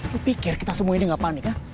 lo pikir kita semua ini gak panik hah